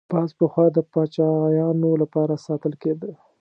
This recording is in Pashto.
باز پخوا د پاچایانو لپاره ساتل کېده